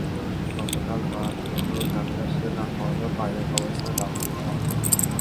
গতকাল বাদ জোহর জানাজা শেষে তাঁর মরদেহ পারিবারিক কবরস্থানে দাফন করা হয়েছে।